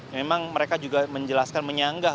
memang mereka juga menjelaskan menyanggah